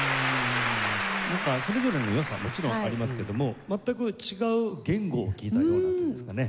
それぞれの良さはもちろんありますけども全く違う言語を聞いたようなというんですかね。